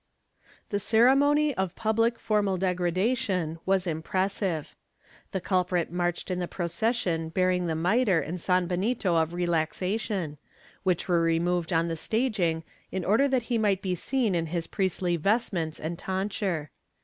^ The ceremony of public formal degradation was impressive. The culprit marched in the procession bearing the mitre and san benito of relaxation, which were removed on the staging in order that he might be seen in his priestly vestments and tonsure.